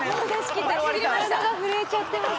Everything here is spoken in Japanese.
体が震えちゃってます。